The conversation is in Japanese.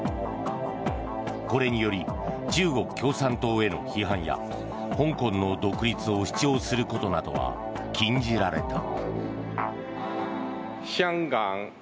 これにより中国共産党への批判や香港の独立を主張することなどは禁じられた。